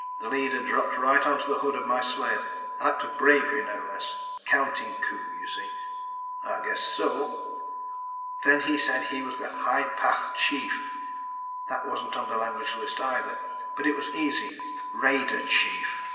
The leader dropped right onto the hood of my sled. An act of bravery, no less. Counting coup, you see?" "I guess so." "Then he said he was High Path Chief. That wasn't on the language list, either. But it was easy: _Raider Chief.